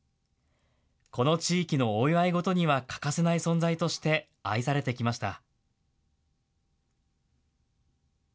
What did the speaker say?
この地域のお祝い事には欠かせない存在として愛されてきました。